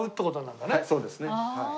はいそうですね。